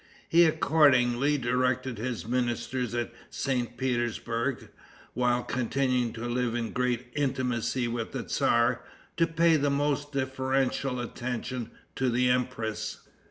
He accordingly directed his minister at St. Petersburg, while continuing to live in great intimacy with the tzar, to pay the most deferential attention to the empress.